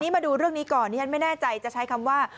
มาดูเรื่องนี้ก่อนที่ฉันไม่แน่ใจจะใช้คำว่า